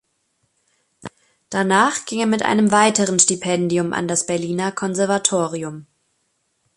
Danach ging er mit einem weiteren Stipendium an das Berliner Konservatorium.